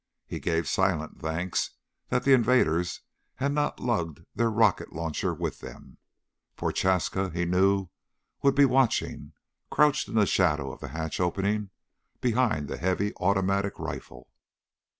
He gave silent thanks that the invaders had not lugged their rocket launcher with them. Prochaska, he knew, would be watching, crouched in the shadow of the hatch opening behind the heavy automatic rifle.